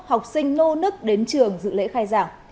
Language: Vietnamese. học sinh nô nức đến trường dự lễ khai giảng